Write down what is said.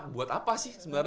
buat apa sih sebenarnya